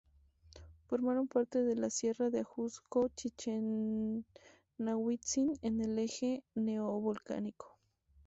Forma parte de la sierra de Ajusco-Chichinauhtzin, en el Eje Neovolcánico.